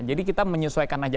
jadi kita menyesuaikan aja